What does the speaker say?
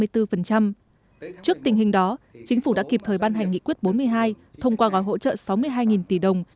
trước tình hình đó chính phủ đã kịp thời ban hành nghị quyết bốn mươi hai thông qua gói hỗ trợ sáu mươi hai tỷ đồng